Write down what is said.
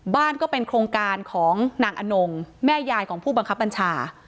ก็เป็นโครงการของนางอนงแม่ยายของผู้บังคับบัญชา